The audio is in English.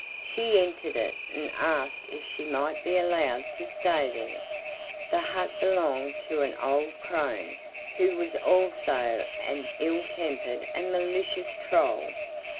She entered it and asked if she might be allowed to stay there. The hut belonged to an old crone, who was also an ill tempered and malicious troll.